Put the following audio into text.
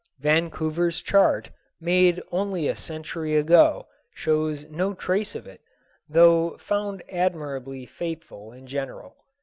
Vancouver's chart, made only a century ago, shows no trace of it, though found admirably faithful in general.